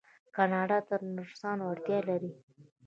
کاناډا د نرسانو اړتیا لري.